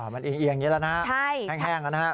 อ๋อมันอย่างนี้แล้วนะครับแห้งแล้วนะครับ